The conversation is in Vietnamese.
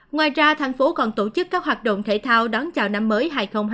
ngoài ra tp hcm còn tổ chức các hoạt động thể thao đón chào năm mới hai nghìn hai mươi hai